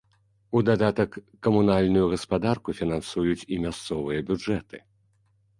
У дадатак, камунальную гаспадарку фінансуюць і мясцовыя бюджэты.